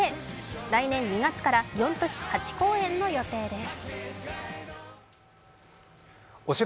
来年２月から４都市８公演の予定です。